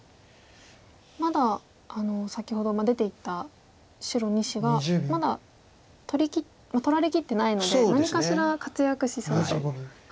まだ先ほど出ていった白２子がまだ取られきってないので何かしら活躍しそうと。